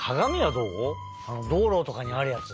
どうろとかにあるやつ。